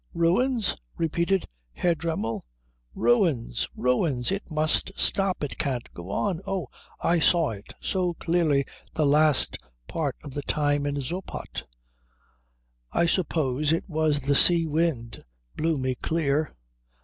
"Ruins?" repeated Herr Dremmel. "Ruins, ruins. It must stop it can't go on. Oh, I saw it so clearly the last part of the time in Zoppot. I suppose it was the sea wind blew me clear.